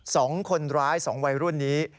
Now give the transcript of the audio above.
สองคนร้ายสองวัยรุ่นนี้